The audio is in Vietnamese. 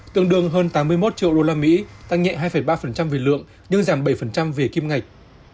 tương đương hơn tám mươi một triệu usd tăng nhẹ hai ba về lượng nhưng giảm bảy về kim ngạch